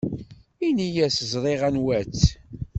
Ini-as ẓriɣ anwa-tt.